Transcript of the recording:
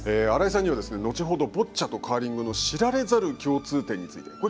新井さんには後ほどボッチャとカーリングの知られざる共通点について。